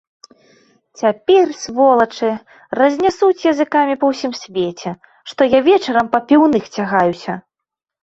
Цяпер, сволачы, разнясуць языкамі па ўсім свеце, што я вечарам па піўных цягаюся.